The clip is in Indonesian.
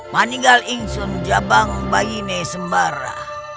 meninggal ingsun jabang bayi ini sembara